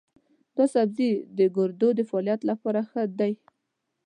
دا سبزی د ګردو د فعالیت لپاره ښه دی.